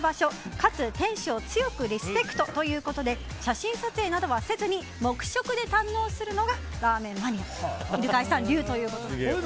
かつ店主を強くリスペクトということで写真撮影などはせずに黙食で堪能するのがラーメンマニアの犬飼さん流ということですね。